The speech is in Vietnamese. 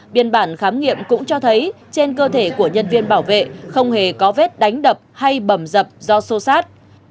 biên bản khám nghiệm cũng cho thấy trên cơ thể của nhân viên bảo vệ không hề có vết đánh đập hay bầm dập do xô xát